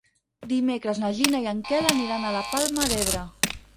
Dimecres na Gina i en Quel aniran a la Palma d'Ebre.